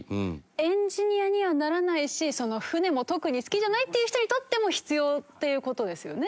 エンジニアにはならないし船も特に好きじゃないっていう人にとっても必要という事ですよね。